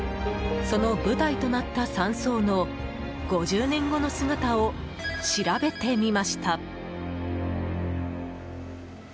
その舞台となった山荘の５０年後の姿を調べてみました。